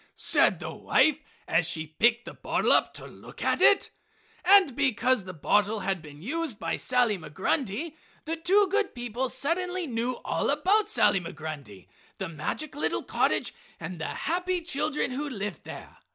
said the wife as she picked the bottle up to look at it. And because the bottle had been used by Sally Migrundy, the two good people suddenly knew all about Sally Migrundy, the magic little cottage, and the happy children who lived there.